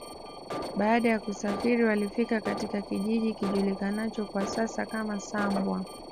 Baada ya kusafiri walifika katika kijiji kijulikanacho kwa sasa kama Sambwa